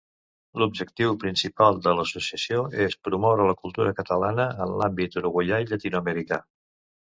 L'objectiu principal de l'associació és promoure la cultura catalana en l'àmbit uruguaià i llatinoamericà.